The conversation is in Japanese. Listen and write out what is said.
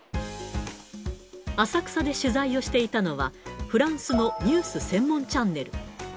浅草で取材をしていたのは、フランスのニュース専門チャンネル。